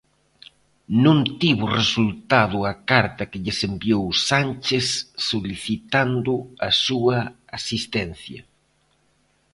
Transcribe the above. Non tivo resultado a carta que lles enviou Sánchez solicitando a súa asistencia.